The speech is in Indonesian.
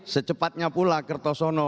secepatnya pula kertosono